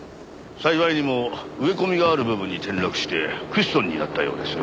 幸いにも植え込みがある部分に転落してクッションになったようです。